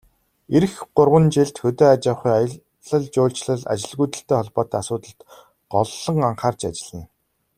Ирэх гурван жилд хөдөө аж ахуй, аялал жуулчлал, ажилгүйдэлтэй холбоотой асуудалд голлон анхаарч ажиллана.